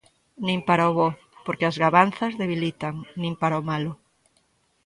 Nin para o bo, porque as gabanzas debilitan, nin para o malo.